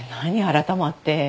改まって。